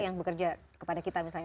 yang bekerja kepada kita misalnya